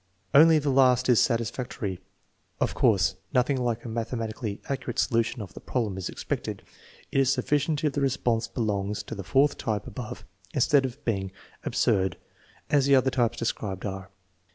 Only the last is satisfactory. Of course, nothing like a mathematically accurate solution of the problem is expected. It is sufficient if the response belongs to the fourth type above instead of being absurd, as the other types described are.